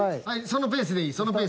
そのペースでいい。